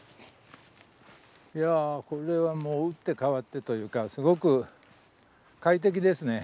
いやこれはもう打って変わってというかすごく快適ですね。